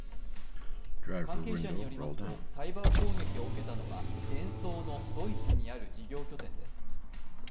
関係者によりますと、サイバー攻撃を受けたのはデンソーのドイツにある事業拠点です。